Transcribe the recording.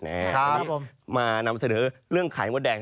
และให้มันนำเสนอเรื่องไขมดแดง